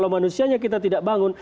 manusianya kita tidak bangun